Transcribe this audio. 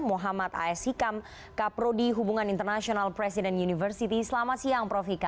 mohamad a s hikam kak prodi hubungan internasional presiden university selamat siang prof hikam